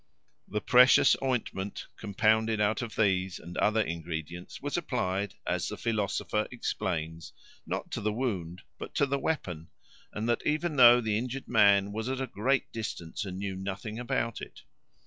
The precious ointment compounded out of these and other ingredients was applied, as the philosopher explains, not to the wound but to the weapon, and that even though the injured man was at a great distance and knew nothing about it.